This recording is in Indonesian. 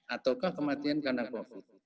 ataukah kematian karena covid